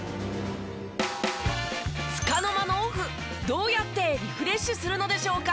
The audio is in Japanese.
つかの間のオフどうやってリフレッシュするのでしょうか？